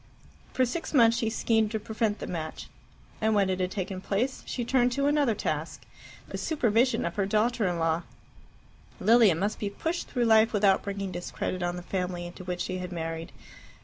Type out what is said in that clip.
For six months she schemed to prevent the match, and when it had taken place she turned to another task the supervision of her daughter in law. Lilia must be pushed through life without bringing discredit on the family into which she had married.